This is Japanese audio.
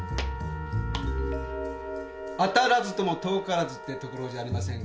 当たらずとも遠からずってところじゃありませんか？